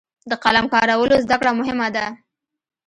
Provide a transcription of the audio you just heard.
د قلم کارولو زده کړه مهمه ده.